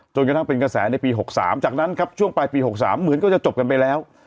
กระทั่งเป็นกระแสในปี๖๓จากนั้นครับช่วงปลายปี๖๓เหมือนก็จะจบกันไปแล้ว